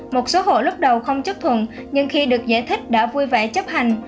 một số hộ lúc đầu không chấp thuận nhưng khi được giải thích đã vui vẻ chấp hành